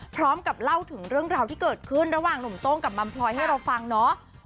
พร้อมกับเล่าถึงเรื่องราวที่เกิดขึ้นระหว่างหนุ่มโต้งกับมัมพลอยให้เราฟังเนาะ